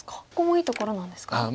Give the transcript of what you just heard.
ここもいいところなんですか？